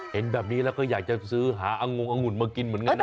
เห็นแบบนี้แล้วก็อยากจะซื้อหาองงองุ่นมากินเหมือนกันนะ